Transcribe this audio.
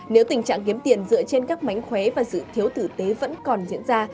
nếu tình trạng kiếm tiền dựa trên các mánh khóe và sự thiếu tử tế vẫn còn diễn ra